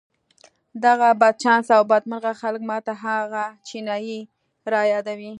دغه بدچانسه او بدمرغه خلک ما ته هغه چينايي را يادوي.